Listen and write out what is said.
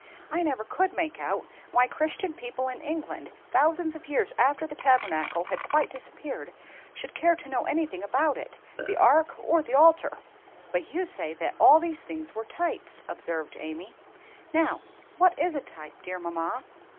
I never could make out why Christian people in England, thousands of years after the Tabernacle had quite disappeared, should care to know anything about it, the ark, or the altar." "But you say that all these things were types," observed Amy. "Now, what is a type, dear mamma?"